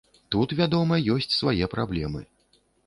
Тут, вядома, ёсць свае праблемы.